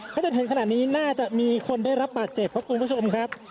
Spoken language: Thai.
ถ้าจะถึงขนาดนี้น่าจะมีคนได้รับบาดเจ็บครับคุณผู้ชมครับ